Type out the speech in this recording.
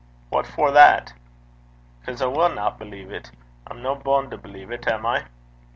'What for that?' ''Cause I winna believe 't. I'm no bund to believe 't, am I?'